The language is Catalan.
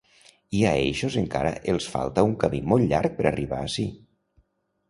I a eixos encara els falta un camí molt llarg per arribar ací.